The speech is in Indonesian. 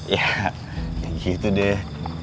ya gitu deh